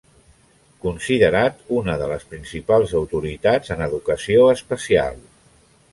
Considerat una de les principals autoritats en educació especial.